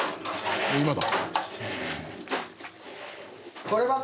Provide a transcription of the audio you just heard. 今だ。